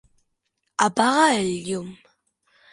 Apaga el llum